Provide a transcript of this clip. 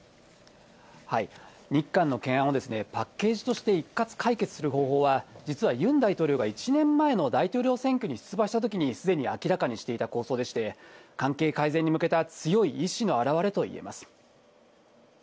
日韓の懸案をパッケージとして一括解決する方法は、実はユン大統領が１年前の大統領選挙に出馬したときに、すでに明らかにしていた構想でして、関係改善に向けた強い意志の表れといえます。